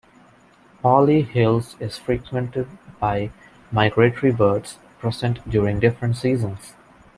Pali Hill is frequented by migratory birds, present during different seasons.